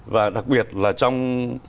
và đặc biệt là trong